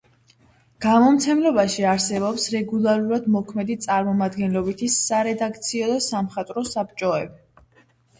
გამომცემლობაში არსებობს რეგულარულად მოქმედი წარმომადგენლობითი სარედაქციო და სამხატვრო საბჭოები.